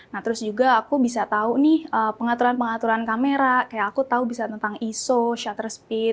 nah terus juga aku bisa tahu nih pengaturan pengaturan kamera kayak aku tahu bisa tentang iso shutter speed